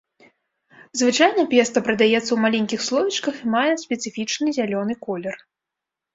Звычайна песта прадаецца ў маленькіх слоічках і мае спецыфічны зялёны колер.